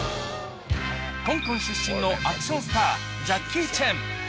香港出身のアクションスター、ジャッキー・チェン。